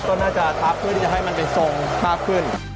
ก็น่าจะทับเพื่อที่จะให้มันไปทรงมากขึ้น